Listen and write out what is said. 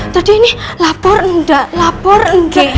jadi ini lapor enggak lapor enggak